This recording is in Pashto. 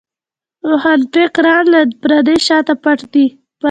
روښانفکران له پردې شاته پټ دي.